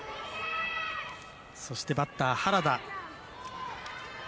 そしてバッター原田。